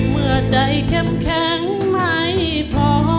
เมื่อใจเข้มแข็งไม่พอ